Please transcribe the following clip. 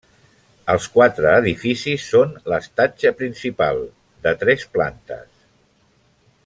Els quatre edificis són l'estatge principal, de tres plantes.